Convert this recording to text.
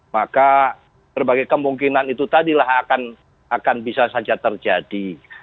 maka berbagai kemungkinan itu tadilah akan bisa saja terjadi